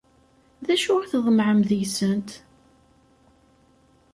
D acu i tḍemεem deg-sent?